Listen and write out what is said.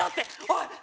おい。